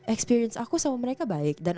experience aku sama mereka baik dan